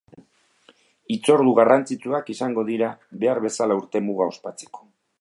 Hitzordu garrantzitsuak izango dira behar bezala urtemuga ospatzeko.